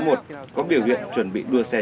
mở cốp tôi kiểm tra nào